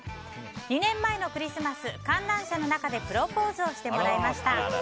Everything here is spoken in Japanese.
２年前のクリスマス観覧車の中でプロポーズをしてもらいました。